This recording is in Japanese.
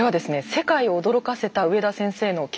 世界を驚かせた上田先生の研究